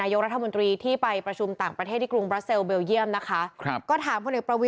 เอาไปให้หมดเลยก็ได้